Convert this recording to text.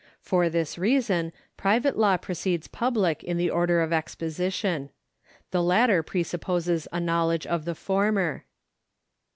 For this reason private law precedes public in the order of exposition. The latter presupposes a knowledge of the former.